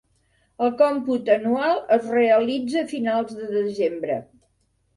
El còmput anual es realitza a finals de desembre.